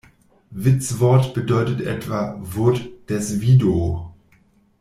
Witzwort bedeutet etwa „Wurt des Wido“.